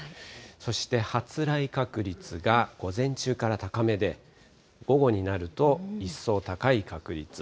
そして発雷確率が午前中から高めで、午後になると一層高い確率。